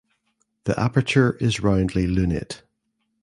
The aperture is roundly lunate.